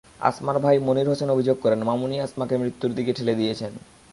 আসমার ভাই মনির হোসেন অভিযোগ করেন, মামুনই আসমাকে মৃত্যুর দিকে ঠেলে দিয়েছেন।